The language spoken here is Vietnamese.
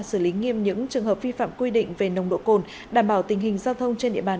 xử lý nghiêm những trường hợp vi phạm quy định về nồng độ cồn đảm bảo tình hình giao thông trên địa bàn